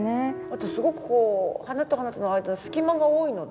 あとすごくこう花と花との間の隙間が多いので。